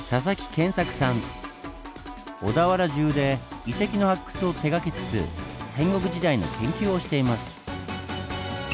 小田原じゅうで遺跡の発掘を手がけつつ戦国時代の研究をしています。